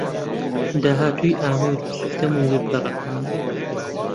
داهاتووی ئامێر و سیستەم و وێبگەڕەکان